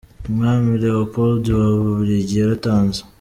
Umwami Leopold wa w’ububiligi yaratanze.